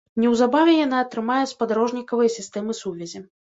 Неўзабаве яна атрымае спадарожнікавыя сістэмы сувязі.